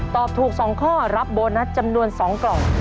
ตอบถูก๒ข้อรับโบนัสจำนวน๒กล่อง